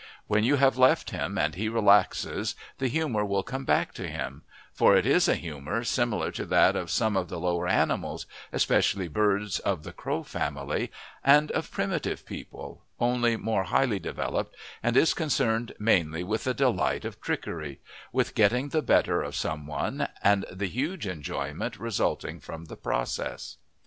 When you have left him and he relaxes the humour will come back to him; for it is a humour similar to that of some of the lower animals, especially birds of the crow family, and of primitive people, only more highly developed, and is concerned mainly with the delight of trickery with getting the better of some one and the huge enjoyment resulting from the process.